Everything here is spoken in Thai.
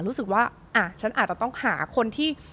รู้สึกว่าอ่ะฉันอาจจะต้องหาคนที่